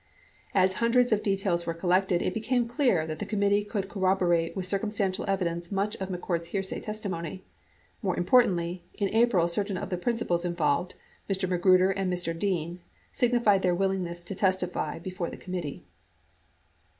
' As hundreds of details were collected, it became clear that the committee could corroborate with circumstantial evidence much of McCord's hearsay testimony. More importantly, in April certain of the principals involved — Mr. Magruder and Mr. Dean — signified their willingness to testify before the committee.